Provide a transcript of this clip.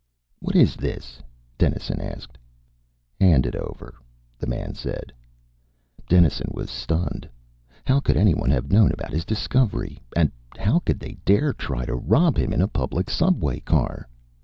"What is this?" Dennison asked. "Hand it over," the man said. Dennison was stunned. How could anyone have known about his discovery? And how could they dare try to rob him in a public subway car?